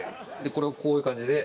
これをこういう感じで。